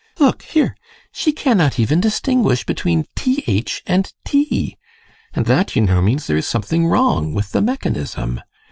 Look here: she cannot even distinguish between th and t. And that, you know, means there is something wrong with the mechanism.